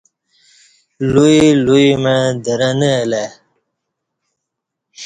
لوی لوی مع درں نہ الہ ای